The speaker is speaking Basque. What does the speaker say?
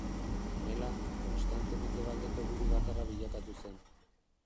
Honela, Konstante mendebaldeko buru bakarra bilakatu zen.